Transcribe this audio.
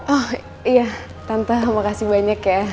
oh iya tante makasih banyak ya